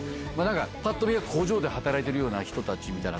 ぱっと見は工場で働いてるような人たちみたいな。